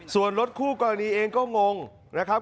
ส่วนรถคู่กรณีเองก็งงนะครับ